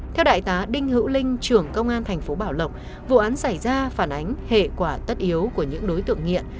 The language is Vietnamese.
theo đại tá đinh hữu linh trưởng công an thành phố bảo lộc vụ án xảy ra phản ánh hệ quả tất yếu của những đối tượng nghiện